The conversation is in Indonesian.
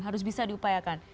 harus bisa diupayakan